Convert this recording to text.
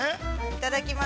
◆いただきまーす。